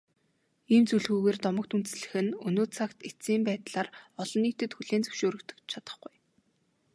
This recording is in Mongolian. Ийм зүйлгүйгээр домогт үндэслэх нь өнөө цагт эцсийн байдлаар олон нийтэд хүлээн зөвшөөрөгдөж чадахгүй.